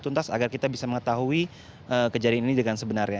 tuntas agar kita bisa mengetahui kejadian ini dengan sebenarnya